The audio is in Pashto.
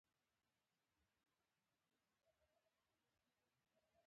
د اېتلاف په دویمه جګړه کې پرمختګ سره مله وه.